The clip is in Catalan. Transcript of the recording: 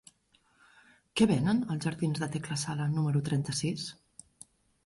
Què venen als jardins de Tecla Sala número trenta-sis?